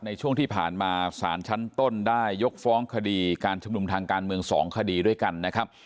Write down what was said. ในช่วงที่ผ่านมาสารชั้นต้นได้ยกฟ้องคดีการชุมนุมทางการเมือง๒คดีด้วยกันนะครับ